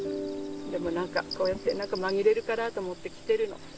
でも何かこうやって何かまぎれるかなって思って来てるの